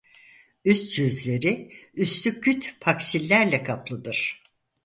Üst yüzleri üstü küt paksillerle kaplıdır.